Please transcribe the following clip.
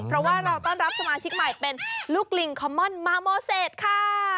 เพราะว่าเราต้อนรับสมาชิกใหม่เป็นลูกลิงคอมม่อนมาโมเศษค่ะ